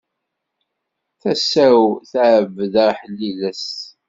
Tasa-w tɛebbed aḥliles.